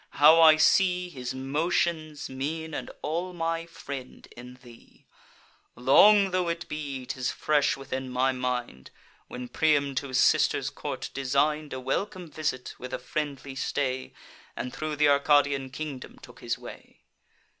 how I see His motions, mien, and all my friend, in thee! Long tho' it be, 'tis fresh within my mind, When Priam to his sister's court design'd A welcome visit, with a friendly stay, And thro' th' Arcadian kingdom took his way.